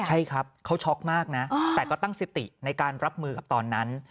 ใช่ครับเขาช็อกมากนะแต่ก็ตั้งสติในการรับมือกับตอนนั้น